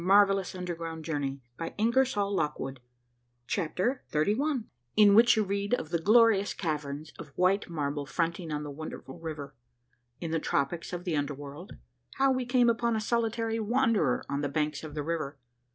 A MARVELLOUS UNDERGROUND JOURNEY 217 CHAPTER XXXr IN WHICH YOU READ OF THE GLORIOUS CAVERNS OP WHITE MARBLE FRONTING ON THE WONDERFUL RIVER. — IN THE TROPICS OF THE UNDER WORLD. — HOW WE CAME UPON A SOLITARY WANDERER ON THE BANKS OF THE RIVER.